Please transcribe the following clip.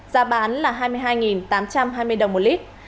giá bán là hai mươi hai tám trăm hai mươi đồng một lít